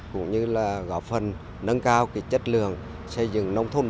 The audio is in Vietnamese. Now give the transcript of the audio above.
cũng như là góp phần nâng cao chất lượng xây dựng nông thôn